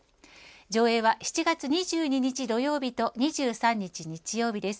上映は７月２２日、土曜日と２３日、日曜日です。